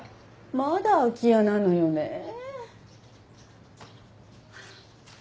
まだ空き家なのよねえ。